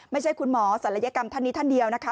ไม่ใช่คุณหมอศัลยกรรมท่านนี้ท่านเดียวนะคะ